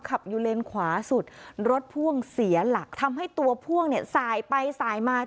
ขับอยู่เลนขวาสุดรถพ่วงเสียหลักทำให้ตัวพ่วงเนี่ยสายไปสายมา